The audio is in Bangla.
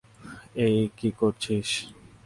এই কি করছিস?